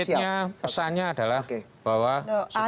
mesejnya pesannya adalah bahwa supaya